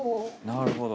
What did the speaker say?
なるほど。